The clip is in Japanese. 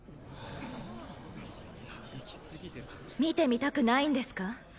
見てみたくないんですか？